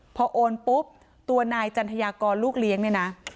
พอโอนปุ๊บตัวนายจันทยากรลูกเลี้ยงเนี่ยนะ